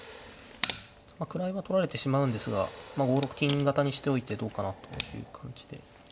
まあ位は取られてしまうんですが５六金型にしといてどうかなっていう感じで。